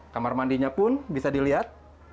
kamar mandinya pun bisa dilihat